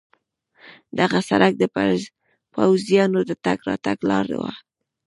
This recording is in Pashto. دغه سړک د پوځیانو د تګ راتګ لار وه.